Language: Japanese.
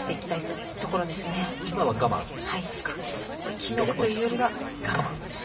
決めるというよりは我慢です。